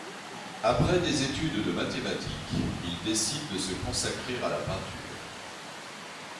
Après des études de mathématiques, il décide de se consacrer à la peinture.